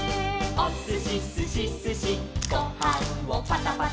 「おすしすしすしごはんをパタパタ」